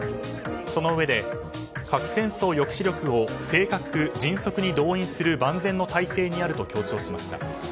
そのうえで、核戦争抑止力を正確・迅速に動員する万全の態勢にあると強調しました。